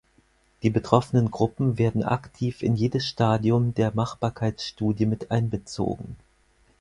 Die betroffenen Gruppen werden aktiv in jedes Stadium der Machbarkeitsstudie mit einbezogen.